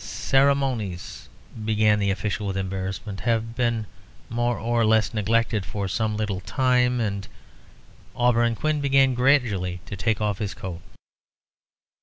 "Ceremonies," began the official, with embarrassment, "have been more or less neglected for some little time, and " Auberon Quin began gradually to take off his coat.